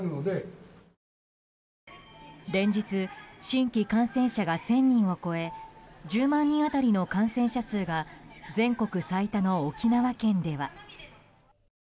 連日新規感染者が１０００人を超え１０万人当たりの感染者数が全国最多の沖縄県では。